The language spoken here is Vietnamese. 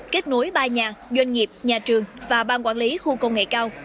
kết nối ba nhà doanh nghiệp nhà trường và ban quản lý khu công nghệ cao